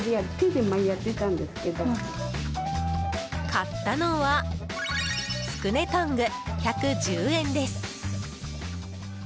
買ったのはつくねトング、１１０円です。